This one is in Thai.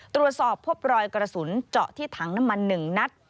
ตรวจสอบพบรอยกระสุนเจาะที่ถังน้ำมัน๑นัด